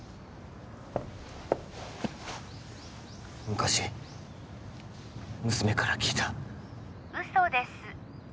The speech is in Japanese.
昔娘から聞いた嘘です